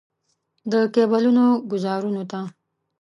د کیبلونو ګوزارونو ته.